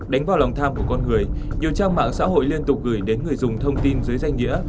đánh vào lòng tham của con người nhiều trang mạng xã hội liên tục gửi đến người dùng thông tin dưới danh nghĩa